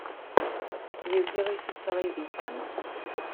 Jezdil jsi celej víkend?